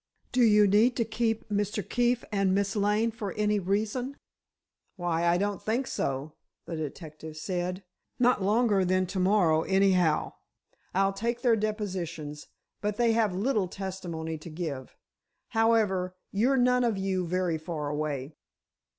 Do you need to keep Mr. Keefe and Miss Lane for any reason?" "Why, I don't think so," the detective said. "Not longer than to morrow, anyhow. I'll take their depositions, but they have little testimony to give. However, you're none of you very far away."